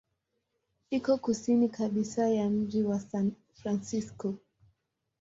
Iko kusini kabisa ya mji wa San Francisco.